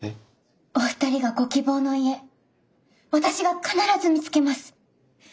お二人がご希望の家私が必ず見つけます！